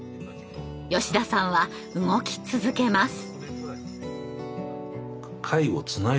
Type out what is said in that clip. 吉田さんは動き続けます。